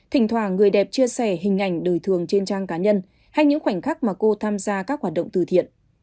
thỉnh thoả người đẹp chia sẻ hình ảnh đời thường trên trang cá nhân hay những khoảnh khắc mà cô tham gia các hoạt động từ thiện